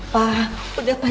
pak udah pak